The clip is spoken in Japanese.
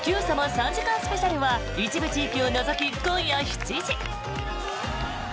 ３時間スペシャルは一部地域を除き今夜７時。